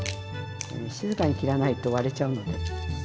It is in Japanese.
静かに切らないと割れちゃうので。